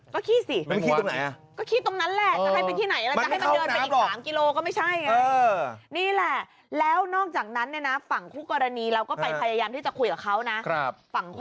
ก็ขี้สิมันขี้ตรงไหนอ่ะก็ขี้ตรงนั้นแหละจะให้ไปที่ไหนมันไม่เข้าน้ำหรอกแล้วจะให้มันเดินไปอีก๓กิโลก็ไม่ใช่ไงนี่แหละแล้วนอกจากนั้นเนี่ยนะฝั่งคู่กรณีเราก็ไปพยายามที่จะคุยกับเขานะครับ